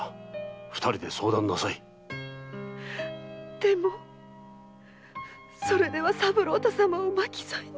でもそれでは三郎太様を巻き添えに。